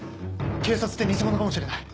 警察って偽者かもしれない。